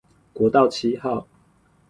國道七號